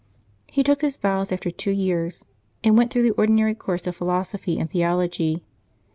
He took his vows after two years, and went through the ordinary course of philosophy and theology.